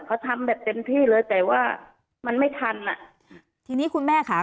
เขาทำแบบเต็มที่เลยแต่ว่ามันไม่ทันอ่ะทีนี้คุณแม่ค่ะ